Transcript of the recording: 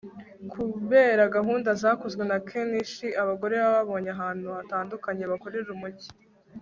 Kubera gahunda zakozwe na Kenichi abagore babonye ahantu hatandukanye bakorera umujyi